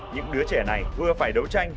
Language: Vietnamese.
những đứa trẻ này vừa phải đấu tranh